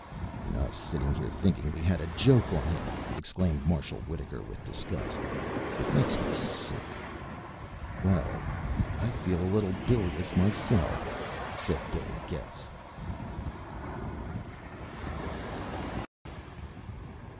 "And us sitting here thinking we had a joke on him!" exclaimed Marshal Wittaker with disgust. "It makes me sick!" "Well, I feel a little bilious myself," said Billy Getz.